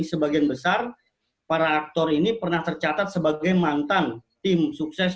sebagian besar para aktor ini pernah tercatat sebagai mantan tim sukses